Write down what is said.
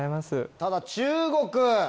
ただ中国！